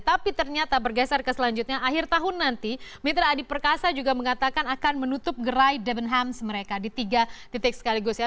tapi ternyata bergeser ke selanjutnya akhir tahun nanti mitra adi perkasa juga mengatakan akan menutup gerai the benhams mereka di tiga titik sekaligus ya